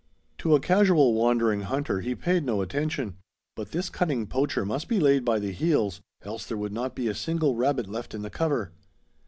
To a casual, wandering hunter he paid no attention; but this cunning poacher must be laid by the heels, else there would not be a single rabbit left in the cover.